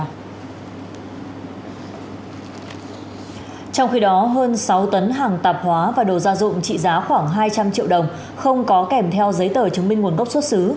trong khi đó hơn sáu tấn hàng tạp hóa và đồ gia dụng trị giá khoảng hai trăm linh triệu đồng không có kèm theo giấy tờ chứng minh nguồn gốc xuất xứ